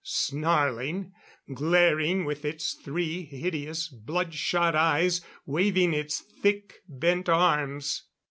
Snarling, glaring with its three hideous blood shot eyes; waving its thick, bent arms.